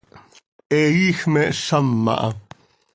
He iij me hszam aha.